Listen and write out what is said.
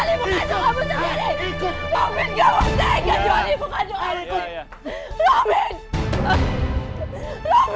enggak usah lawan ikut